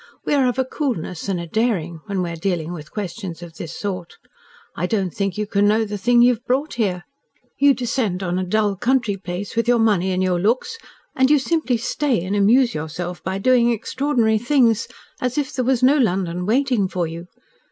We are of a coolness and a daring when we are dealing with questions of this sort. I don't think you can know the thing you have brought here. You descend on a dull country place, with your money and your looks, and you simply STAY and amuse yourself by doing extraordinary things, as if there was no London waiting for you.